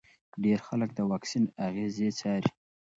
ډېر خلک د واکسین اغېزې څاري.